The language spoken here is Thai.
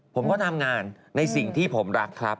ผมก็ทำงานในสิ่งที่ผมรักครับ